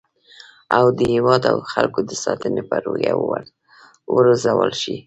او د هیواد او خلکو د ساتنې په روحیه وروزل شي